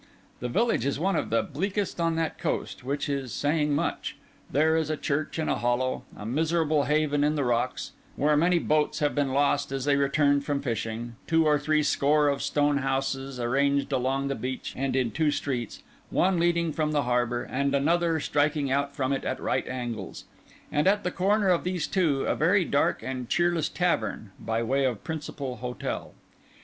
The village is one of the bleakest on that coast, which is saying much: there is a church in a hollow; a miserable haven in the rocks, where many boats have been lost as they returned from fishing; two or three score of stone houses arranged along the beach and in two streets, one leading from the harbour, and another striking out from it at right angles; and, at the corner of these two, a very dark and cheerless tavern, by way of principal hotel.